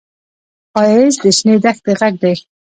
ښایست د شنې دښتې غږ دی